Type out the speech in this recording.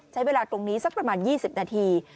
ใช้เวลาตรงนี้สักประมาณ๒๐นาที